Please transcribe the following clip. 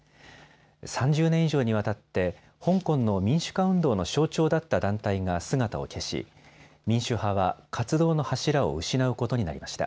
３０年以上にわたって香港の民主化運動の象徴だった団体が姿を消し民主派は活動の柱を失うことになりました。